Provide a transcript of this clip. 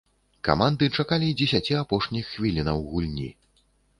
Каманды чакалі дзесяці апошніх хвілінаў гульні.